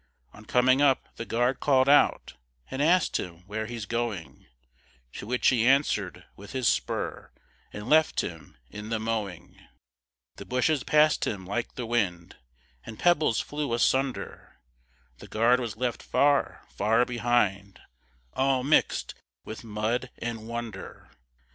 On coming up, the guard call'd out And asked him where he's going To which he answer'd with his spur, And left him in the mowing. The bushes pass'd him like the wind, And pebbles flew asunder, The guard was left far, far behind, All mix'd with mud and wonder.